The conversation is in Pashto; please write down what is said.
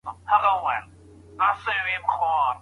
زمرد ارزان نه پلورل کېږي.